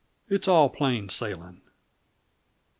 It's all plain sailing."